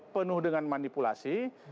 penuh dengan manipulasi